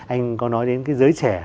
anh có nói đến cái giới trẻ